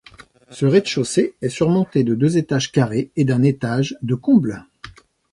Ce rez-de-chaussée est surmonté de deux étages carrés et d'un étage de combles.